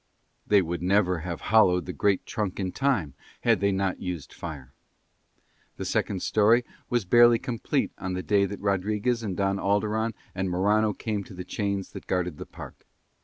They would never have hollowed the great trunk in time had they not used fire. The second storey was barely complete on the day that Rodriguez and Don Alderon and Morano came to the chains that guarded the park.